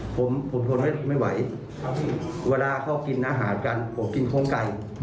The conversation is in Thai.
ผมผมทนไม่ไหวเวลาเขากินอาหารกันผมกินโค้งไก่